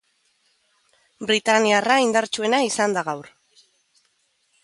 Britaniarra indartsuena izan da gaur.